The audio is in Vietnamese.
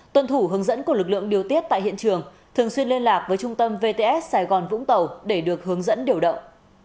tuân thủ hướng dẫn của lực lượng điều tiết tại hiện trường thường xuyên liên lạc với trung tâm vts sài gòn vũng tàu để được hướng dẫn điều động